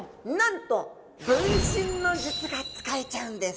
分身の術が使えちゃうんです。